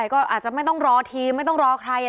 ก็อาจจะไม่ต้องรอทีมไม่ต้องรอใคร